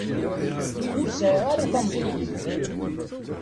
Ur sɛiɣ ara tameṭṭut.